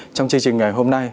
trong chương trình ngày hôm nay